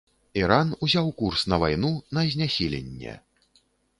Іран ўзяў курс на вайну на знясіленне.